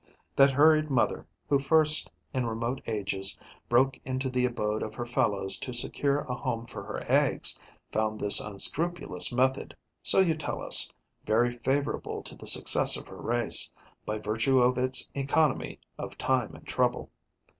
That hurried mother who first, in remote ages, broke into the abode of her fellows to secure a home for her eggs found this unscrupulous method, so you tell us, very favourable to the success of her race, by virtue of its economy of time and trouble.